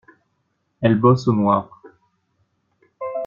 Elles bossent au noir.